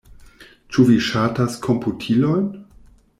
Ĉu vi ŝatas komputilojn?